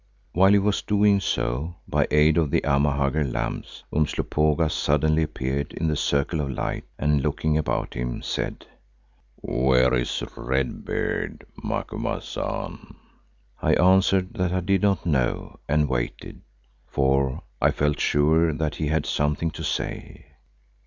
While he was doing so, by aid of the Amahagger lamps, Umslopogaas suddenly appeared in the circle of light, and looking about him, said, "Where is Red Beard, Macumazahn?" I answered that I did not know and waited, for I felt sure that he had something to say.